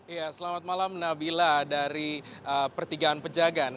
ya selamat malam nabila dari pertigaan pejagan